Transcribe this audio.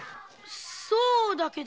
そうだけど。